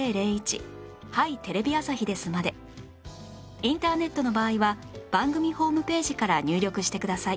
インターネットの場合は番組ホームページから入力してください